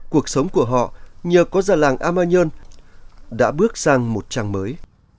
cuộc sống của họ nhờ có già làng a ma nhơn đã bước sang một trang mới